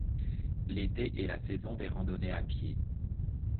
L'été est la saison des randonnées à pied.